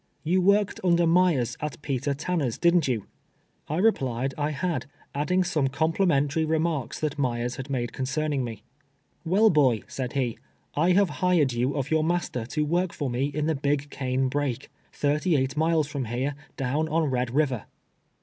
" You worked uiuler Myers at Peter Tanner's, didn't you ?" I re])lied I had, adding some coinplimentary re marks that Myers had nuide concerning me. "Well, boy," said he, " I ha\e liired you of your master to work for jue in the '' Big Cane l>rake," thirty eight miles from here, down on lied River."